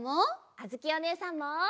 あづきおねえさんも！